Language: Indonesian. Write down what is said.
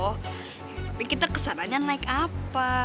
tapi kita kesanannya naik apa